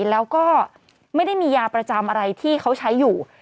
แล้วก็ไม่ได้มียาประจำอะไรที่เขาใช้อยู่